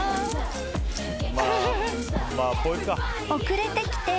［遅れてきて］